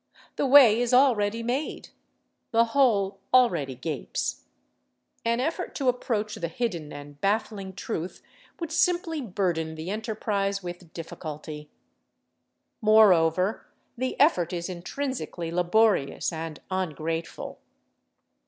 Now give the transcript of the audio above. The way is already made: the hole already gapes. An effort to approach the hidden and baffling truth would simply burden the enterprise with difficulty. Moreover, the effort is intrinsically laborious and ungrateful.